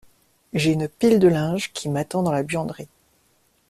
J’ai une pile de linge qui m’attend dans la buanderie.